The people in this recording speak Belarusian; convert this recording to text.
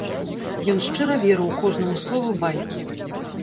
Ён шчыра верыў кожнаму слову байкі.